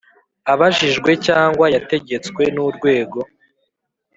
Abajijwe cyangwa yategetswe n urwego